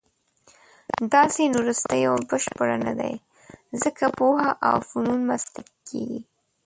دا سیند وروستۍ او بشپړه نه دی، ځکه پوهه او فنون مسلکي کېږي.